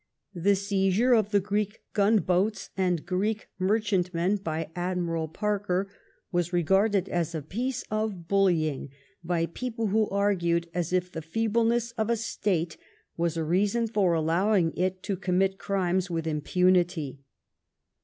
The seizure of the Greek gunboats and Greek mer chantmen by Admiral Parker was regarded as a piece of bullying, by people who argued as if the feebleness of a State was a reason for allowing it to commit crimes with impunity.